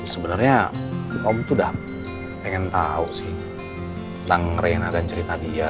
sebenarnya om tuh udah pengen tau sih tentang reina dan cerita dia